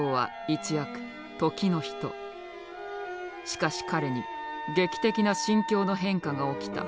しかし彼に劇的な心境の変化が起きた。